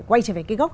quay trở về cái gốc